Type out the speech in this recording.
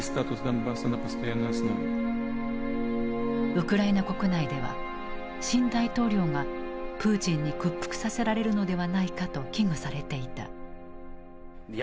ウクライナ国内では新大統領がプーチンに屈服させられるのではないかと危惧されていた。